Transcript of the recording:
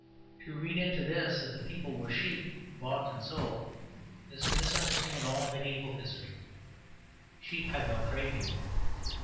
To read into this that the people were sheep bought and sold is to misunderstand all mediæval history; sheep have no trade union.